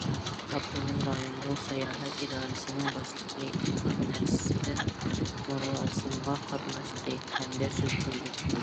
ئاپتونوم رايونلۇق ساياھەت ئىدارىسىنىڭ باشلىقى ئىنئام نەسرىدىن مۇراسىمغا قاتناشتى ھەمدە سۆز قىلدى.